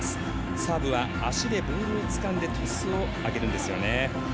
サーブは足でボールをつかんでトスを上げるんですよね。